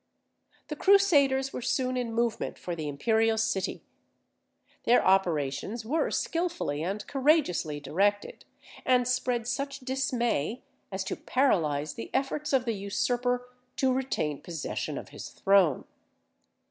The Crusaders were soon in movement for the imperial city. Their operations were skilfully and courageously directed, and spread such dismay as to paralyse the efforts of the usurper to retain possession of his throne.